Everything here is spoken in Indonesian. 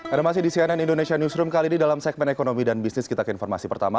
ada masih di cnn indonesia newsroom kali ini dalam segmen ekonomi dan bisnis kita ke informasi pertama